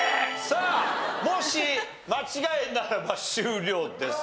さあもし間違いならば終了です。